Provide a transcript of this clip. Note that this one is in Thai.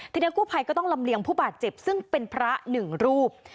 ทีนี้กู้ภัยก็ต้องลำเลียงผู้บาดเจ็บซึ่งเป็นพระหนึ่งรูป